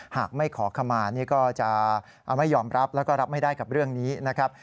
หากไม่ขอขมานี่ก็จะไม่ยอมรับแล้วก็รับไม่ได้กับเรื่องนี้นะครับ